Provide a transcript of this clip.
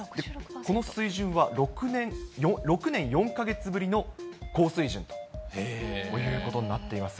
この水準は、６年４か月ぶりの高水準ということになっています。